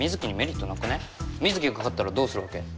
水城が勝ったらどうするわけ？